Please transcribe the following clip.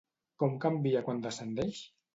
Com canvia quan descendeix?